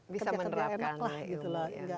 bisa menerapkan ilmu ya